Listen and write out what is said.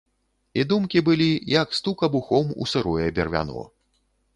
І думкі былі, як стук абухом у сырое бервяно.